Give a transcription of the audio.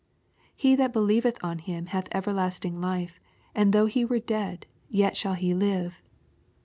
He that believeth on Him hath everlasting life, and though he were dead yet shall he live.